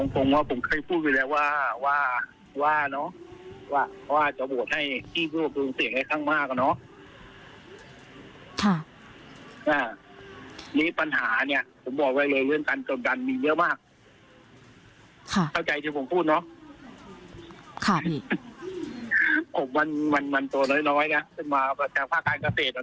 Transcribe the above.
คนหนูกร่างแพงออกมาจากภาคากาเศษอะเนาะ